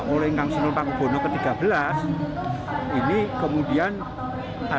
oleh kang senul pakubono ke tiga belas ini kemudian ada